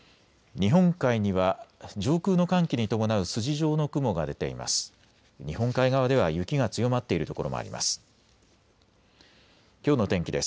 日本海には上空の寒気に伴う筋状の雲が出ています。